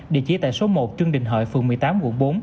địa chỉ tại số một trương đình hợi phường một mươi tám quận bốn